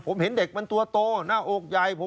ผมเห็นเด็กมันตัวโตหน้าอกใหญ่